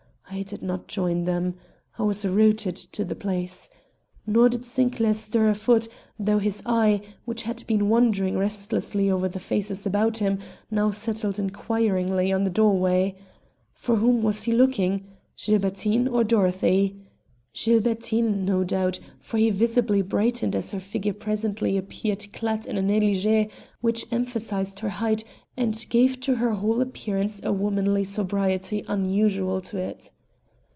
I did not join them. I was rooted to the place. Nor did Sinclair stir a foot, though his eye, which had been wandering restlessly over the faces about him, now settled inquiringly on the doorway. For whom was he looking? Gilbertine or Dorothy? Gilbertine, no doubt, for he visibly brightened as her figure presently appeared clad in a negligée, which emphasized her height and gave to her whole appearance a womanly sobriety unusual to it.